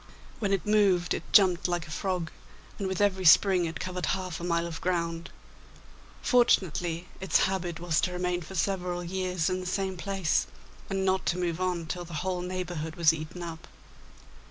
When it moved it jumped like a frog, and with every spring it covered half a mile of ground. Fortunately its habit, was to remain for several years in the same place, and not to move on till the whole neighbourhood was eaten up.